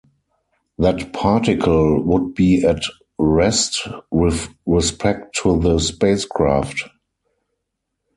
That particle would be at rest with respect to the spacecraft.